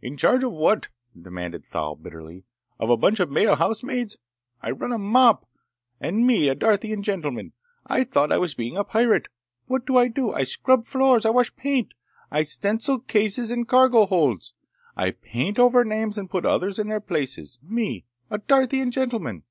"In charge of what?" demanded Thal bitterly. "Of a bunch of male housemaids! I run a mop! And me a Darthian gentleman! I thought I was being a pirate! What do I do? I scrub floors! I wash paint! I stencil cases in cargo holds! I paint over names and put others in their places! Me, a Darthian gentleman!"